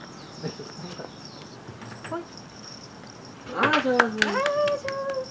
ああ上手！